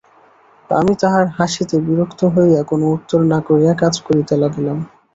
আমি তাহার হাসিতে বিরক্ত হইয়া কোনো উত্তর না করিয়া কাজ করিতে লাগিলাম।